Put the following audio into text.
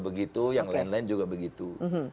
begitu yang lain lain juga begitu